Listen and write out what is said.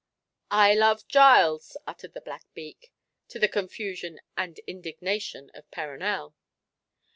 "I love Giles!" uttered the black beak, to the confusion and indignation of Perronel.